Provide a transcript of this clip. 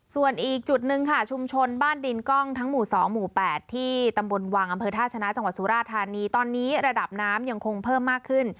ส่วนอีกจุดหนึ่งค่ะชุมชนบ้านดินกล้องทั้งหมู่๒หมู่๘ที่ตำบลวังอำเภอท่าชนะจังหวัดสุราธานีตอนนี้ระดับน้ำยังคงเพิ่มมากขึ้น